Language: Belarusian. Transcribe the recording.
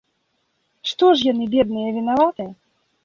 Што ж яны, бедныя, вінаваты?